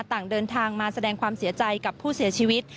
ต่างเดินทางมาแสดงความเสียใจกับผู้เสียชีวิต